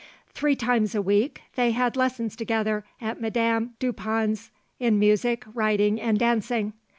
Three times a week they had lessons together at Madame Dupin's in music, writing, and dancing.